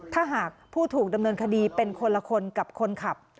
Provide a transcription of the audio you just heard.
ถ้าหากผู้ถูกดำเนินคดีเป็นคนละคนกับคนขับ